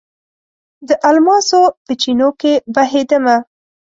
د الماسو په چېنو کې بهیدمه